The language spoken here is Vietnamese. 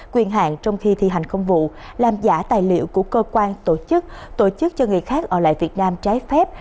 quyền hạn trong khi thi hành công vụ làm giả tài liệu của cơ quan tổ chức tổ chức cho người khác ở lại việt nam trái phép